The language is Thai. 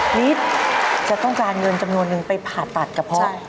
นิดจะต้องการเงินจำนวนนึงไปผ่าตัดกระเพาะ